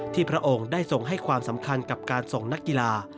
พระองค์ได้ทรงให้ความสำคัญกับการส่งนักกีฬา